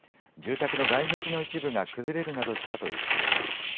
住宅の外壁の一部が崩れるなどしたということです。